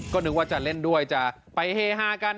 ก็นึกว่าจะเล่นด้วยจะไปเฮฮากัน